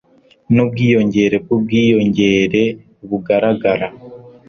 nubwiyongere bwubwiyongerebugaragara